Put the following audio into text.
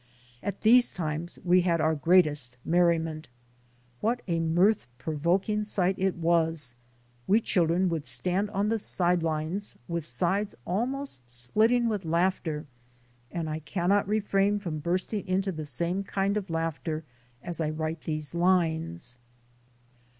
At these times, we had our greatest merriment. What a mirth pro voking sight it was; we children would stand on the "side lines" with sides almost splitting with laughter, and I cannot refrain from bursting into the same kind of laughter as I write these lines.